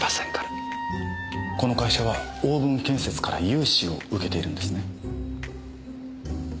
この会社は大分建設から融資を受けているんですね？